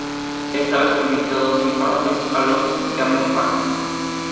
Esta vez, permitió dos imparables a los Diamondbacks.